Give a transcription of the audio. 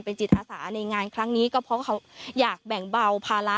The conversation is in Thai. จิตอาสาในงานครั้งนี้ก็เพราะเขาอยากแบ่งเบาภาระ